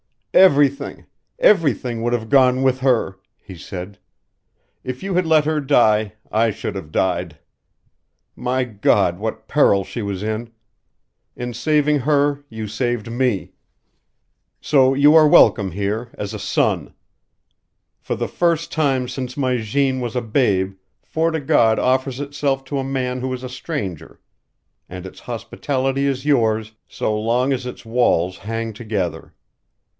"Everything everything would have gone with her," he said. "If you had let her die, I should have died. My God, what peril she was in! In saving her you saved me. So you are welcome here, as a son. For the first time since my Jeanne was a babe Fort o' God offers itself to a man who is a stranger and its hospitality is yours so long as its walls hang together.